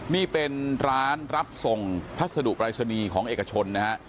นี่เป็นร้านรับส่งพัสดุปรายศนีย์ของเอกชนนะฮะ